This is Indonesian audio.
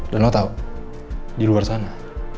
dan lo tau di luar sana